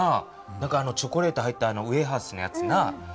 何かチョコレート入ったウエハースのやつな。